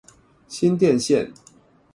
新店線